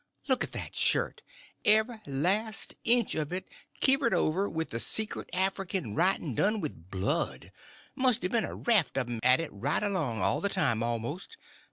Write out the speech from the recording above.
Look at that shirt—every last inch of it kivered over with secret African writ'n done with blood! Must a ben a raft uv 'm at it right along, all the time, amost.